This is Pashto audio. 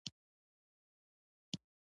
خټکی یو امید دی.